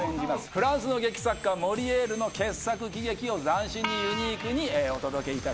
フランスの劇作家モリエールの傑作喜劇を斬新にユニークにお届けいたします。